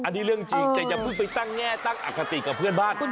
อันนี้เรื่องจริงแต่อย่าเพิ่งไปตั้งแง่ตั้งอคติกับเพื่อนบ้าน